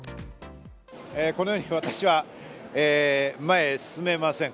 このように私は前に進めません。